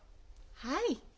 はい。